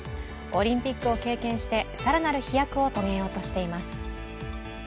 オリンピックを経験して、更なる飛躍を遂げようとしています。